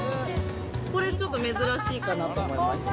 これ、ちょっと珍しいかなと思います。